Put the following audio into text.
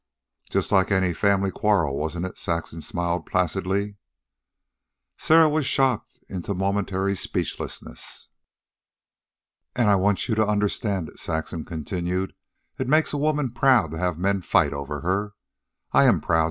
"Just like any family quarrel, wasn't it?" Saxon smiled placidly. Sarah was shocked into momentary speechlessness. "And I want you to understand it," Saxon continued. "It makes a woman proud to have men fight over her. I am proud.